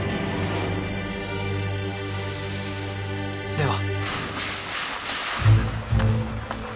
では。